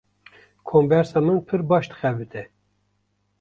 Kombersa min pir baş dixebite.